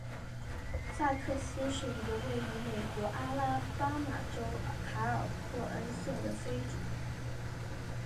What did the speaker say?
萨克斯是一个位于美国阿拉巴马州卡尔霍恩县的非建制地区和人口普查指定地区。